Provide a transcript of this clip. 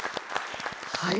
はい！